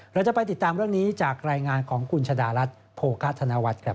เราจะไปติดตามเรื่องนี้จากรายงานของคุณชะดารัฐโภคะธนวัฒน์ครับ